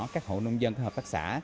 các hộ nông dân các hợp tác xã